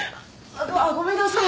あっごめんなさい。